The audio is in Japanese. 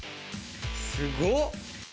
すごっ。